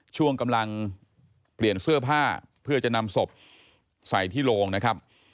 ช่วงกำลังเปลี่ยนเสื้อผ้าเพื่อจะนำศพใส่ที่โรงนะครับ